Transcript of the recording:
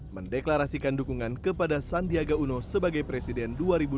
mendeklarasikan dukungan kepada sandiaga uno sebagai presiden dua ribu dua puluh